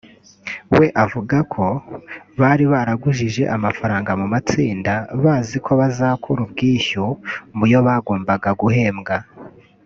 we avuga ko bari baragujije amafaranga mu matsinda bazi ko bazakura ubwishyu muyo bagombaga guhembwa